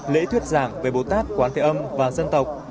lễ thuyết giảng về bồ tát quán thế âm và dân tộc